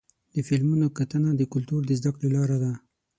د فلمونو کتنه د کلتور د زدهکړې لاره ده.